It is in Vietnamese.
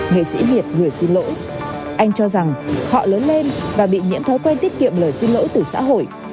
nghệ sĩ việt người xin lỗi anh cho rằng họ lớn lên và bị nhiễm thói quen tiết kiệm lời xin lỗi từ xã hội